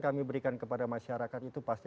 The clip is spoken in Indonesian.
kami berikan kepada masyarakat itu pasti